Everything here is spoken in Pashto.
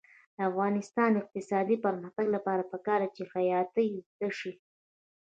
د افغانستان د اقتصادي پرمختګ لپاره پکار ده چې خیاطۍ زده شي.